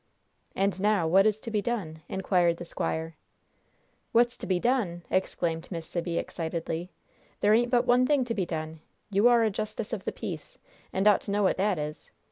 "And now, what is to be done?" inquired the squire. "'What's to be done?'" exclaimed Miss Sibby, excitedly. "There ain't but one thing to be done! You are a justice of the peace, and ought to know what that is!